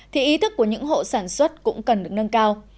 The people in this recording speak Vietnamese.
thì ý thức của những hộ sản xuất cũng cần được nâng cao